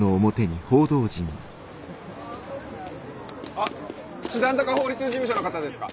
あっ師団坂法律事務所の方ですか？